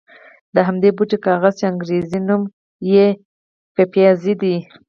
د همدې بوټي کاغذ چې انګرېزي نوم یې پپیازي دی.